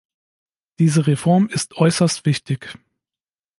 Diese Reform ist äußerst wichtig.